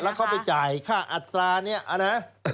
แล้วเขาไปจ่ายค่าอัตรานี้นะ